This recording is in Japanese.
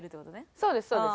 そうですそうです。